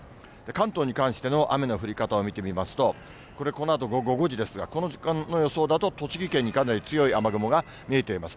関東に関しての雨の降り方を見てみますと、これ、このあと午後５時ですが、この時間の予想だと栃木県にかなり強い雨雲が見えています。